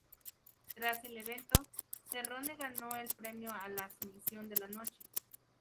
Tras el evento, Cerrone ganó el premio a la "Sumisión de la Noche".